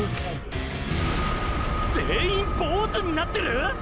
全員ボーズになってる